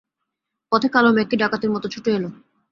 পথে কালো মেঘ কি ডাকাতের মতো ছুটে এল?